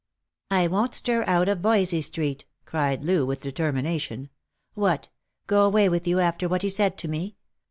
" I won't stir out of Voysey street," cried Loo with deter mination. " What! go away with you after what he said to me